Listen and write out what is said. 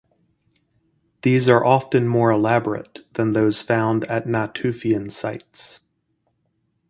These are often more elaborate than those found at Natufian sites.